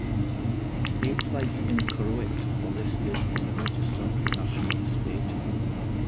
Eight sites in Koroit are listed in the Register of the National Estate.